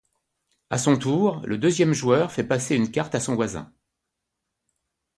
À son tour, le deuxième joueur fait passer une carte à son voisin.